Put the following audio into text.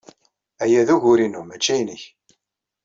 Aya d ugur-inu, maci nnek.